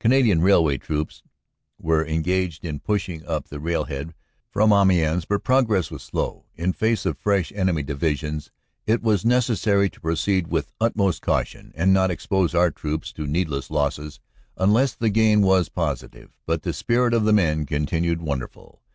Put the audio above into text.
Canadian railway troops were engaged in pushing up the rail head from Amiens but progress was slow. In face of fresh enemy divisions, it w r as necessary to proceed with utmost caution and not expose our troops to needless losses unless the gain was positive. But the spirit of the men continued wonderful.